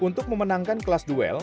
untuk memenangkan kelas duel